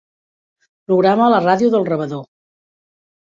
Programa la ràdio del rebedor.